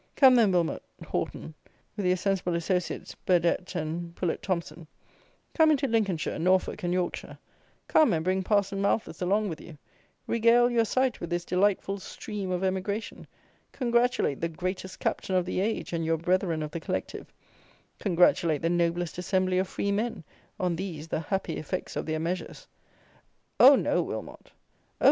Come, then, Wilmot Horton, with your sensible associates, Burdett and Poulett Thomson; come into Lincolnshire, Norfolk, and Yorkshire; come and bring Parson Malthus along with you; regale your sight with this delightful "stream of emigration"; congratulate the "greatest captain of the age," and your brethren of the Collective: congratulate the "noblest assembly of free men," on these the happy effects of their measures. Oh! no, Wilmot! Oh!